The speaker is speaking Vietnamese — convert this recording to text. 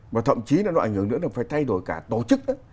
và thậm chí là nó ảnh hưởng nữa là phải thay đổi cả tổ chức đó